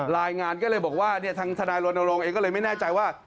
รายงานก็เลยบอกว่าทางทนายรณรงค์เองก็เลยไม่แน่ใจว่า